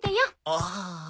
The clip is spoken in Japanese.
ああ。